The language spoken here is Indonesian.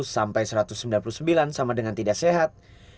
satu ratus satu sampai satu ratus sembilan puluh sembilan sama dengan tidak sehat